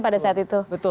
pada saat itu